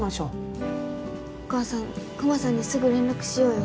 お母さんクマさんにすぐ連絡しようよ。